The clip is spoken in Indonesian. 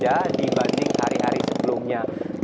ini yang berbeda dibanding hari hari sebelumnya